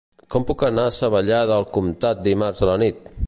Com puc anar a Savallà del Comtat dimarts a la nit?